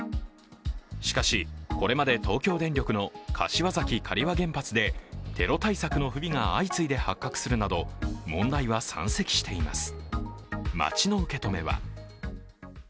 しかし、これまで東京電力の柏崎刈羽原発でテロ対策の不備が相次いで発覚するなど問題は山積しています。